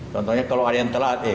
contohnya kalau ada yang telat ya